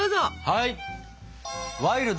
はい！